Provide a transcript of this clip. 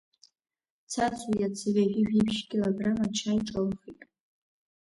Цацу иацы ҩажәи жәибжь килограмм ачаи ҿылхит.